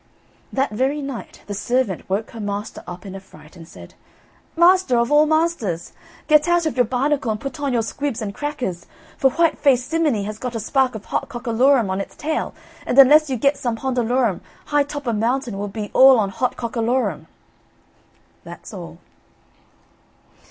That very night the servant woke her master up in a fright and said: "Master of all masters, get out of your barnacle and put on your squibs and crackers. For white faced simminy has got a spark of hot cockalorum on its tail, and unless you get some pondalorum high topper mountain will be all on hot cockalorum." .... That's all.